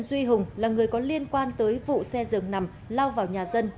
trần duy hùng là người có liên quan tới vụ xe dừng nằm lao vào nhà dân